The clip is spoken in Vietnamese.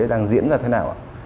đang diễn ra thế nào